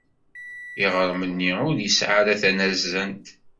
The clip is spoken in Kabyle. Iɣrem-nni ur yesɛi ara tanazent.